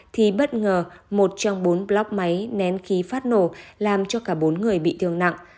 thì bất ngờ một trong bốn block máy nén khí phát nổ làm cho cả bốn người bị thương nặng